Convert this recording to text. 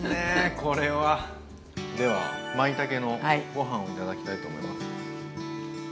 ではまいたけのご飯を頂きたいと思います。